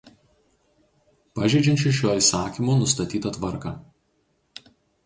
pažeidžiančius šiuo įsakymu nustatytą tvarką